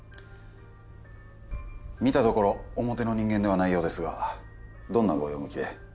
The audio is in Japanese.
見たところ表の人間ではないようですがどんなご用向きで？